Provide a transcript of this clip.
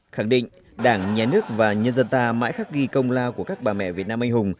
khẳng định đảng nhà nước và nhân dân ta mãi khắc ghi công lao của các bà mẹ việt nam anh hùng